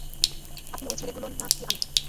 আপনি, ওই ছেলেগুলো না-কি আমি?